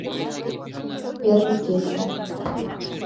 Первый каче: